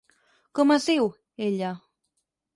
Com es diu, ella?